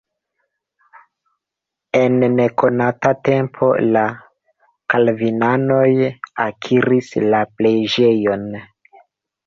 En nekonata tempo la kalvinanoj akiris la preĝejon.